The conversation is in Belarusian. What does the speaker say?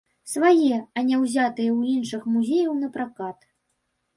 Свае, а не ўзятыя ў іншых музеяў на пракат.